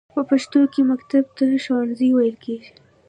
په پښتو کې مکتب ته ښوونځی ویل کیږی.